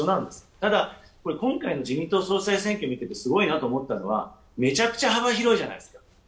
ただ、今回の自民党総裁選挙を見ててすごいなと思ったのは、めちゃくちゃ幅広いじゃないですか。